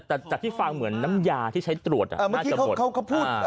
แต่ที่ฟังเหมือนน้ำยาที่ใช้ตรวจน่าจะหมด